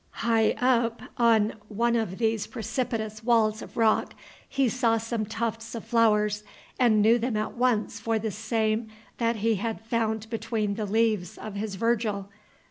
High up on one of these precipitous walls of rock he saw some tufts of flowers, and knew them at once for the same that he had found between the leaves of his Virgil.